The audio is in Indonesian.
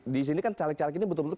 disini kan caleg caleg ini betul betul